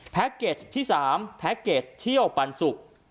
เกจที่๓แพ็คเกจเที่ยวปันสุก